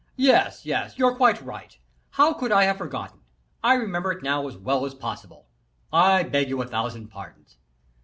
"Yes, yes; you're quite right; how could I have forgotten; I remember it now as well as possible; I beg you a thousand pardons.